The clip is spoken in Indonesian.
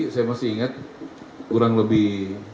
saya masih ingat kurang lebih